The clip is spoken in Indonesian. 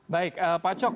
baik pak cok